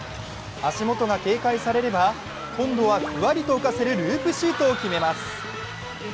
足元が警戒されれば、今度はふわりと浮かせるループシュートを決めます。